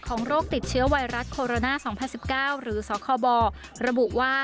โรคติดเชื้อไวรัสโคโรนา๒๐๑๙หรือสคบระบุว่า